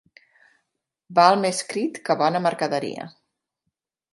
Val més crit que bona mercaderia.